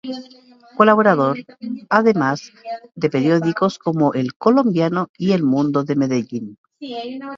Colaborador, además, de periódicos como El Colombiano y El Mundo de Medellín.